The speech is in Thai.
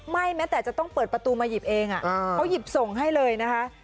แม้แต่จะต้องเปิดประตูมาหยิบเองเขาหยิบส่งให้เลยนะคะ